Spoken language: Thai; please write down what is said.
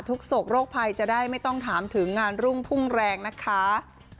โศกโรคภัยจะได้ไม่ต้องถามถึงงานรุ่งพุ่งแรงนะคะ